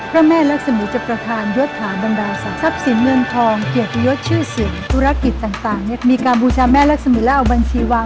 ขอบคุณมากนะฮะ